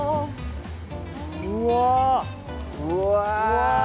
うわ！